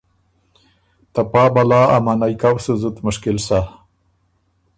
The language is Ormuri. ته پا بلا ا منعئ کؤ سُو زُت مشکل سۀ۔